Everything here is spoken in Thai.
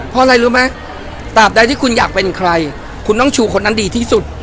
เพราะอะไรรู้ไหมตามใดที่คุณอยากเป็นใครคุณต้องชูคนนั้นดีที่สุด